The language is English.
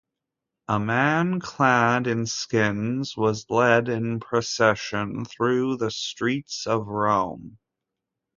A man clad in skins was led in procession through the streets of Rome.